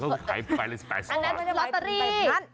มันเป็นลอตตอรี